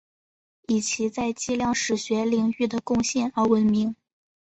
以其在计量史学领域的贡献而闻名。